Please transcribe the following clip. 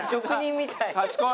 「賢い！